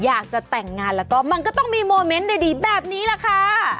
อยากจะแต่งงานแล้วก็มันก็ต้องมีโมเมนต์ดีแบบนี้แหละค่ะ